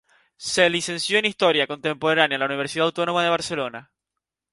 Se licenció en Historia Contemporánea en la Universidad Autónoma de Barcelona.